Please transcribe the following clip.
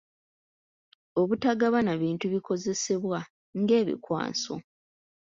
Obutagabana bintu bikozesebwa ng'ebikwanso.